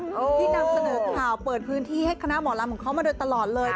ที่นำเสนอข่าวเปิดพื้นที่ให้คณะหมอลำของเขามาโดยตลอดเลย